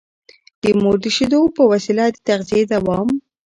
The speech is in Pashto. د مور د شېدو په وسيله د تغذيې دوام